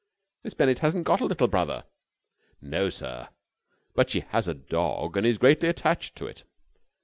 "Miss Bennett hasn't got a little brother." "No, sir. But she has a dog, and is greatly attached to it."